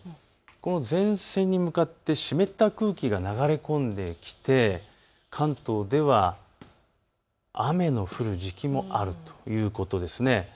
この前線に向かって湿った空気が流れ込んできて関東では雨の降る時期もあるということです。